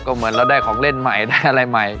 ก็เหมือนเราได้ของเล่นใหม่ได้อะไรใหม่